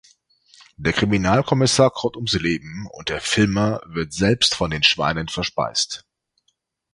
Der Kriminalkommissar kommt ums Leben, und der Filmer wird selbst von den Schweinen verspeist.